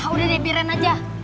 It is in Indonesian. udah deh piring aja